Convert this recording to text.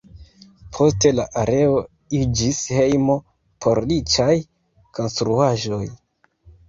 Poste la areo iĝis hejmo por riĉaj konstruaĵoj.